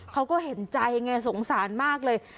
เขาก็เห็นใจไงสงสารมากเลย